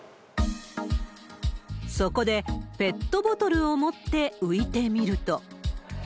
そこで、ペットボトルを持って浮いてみると。